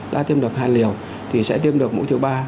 đã tiêm được hai liều thì sẽ tiêm được mũi thứ ba